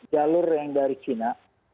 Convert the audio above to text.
jalur yang dari cina